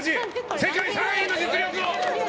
世界３位の実力を！